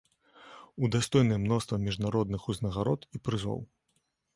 Удастоены мноства міжнародных узнагарод і прызоў.